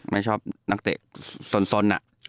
ไม่ชอบนักเตะสน